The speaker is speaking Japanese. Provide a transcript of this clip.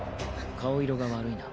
顔色が悪いな。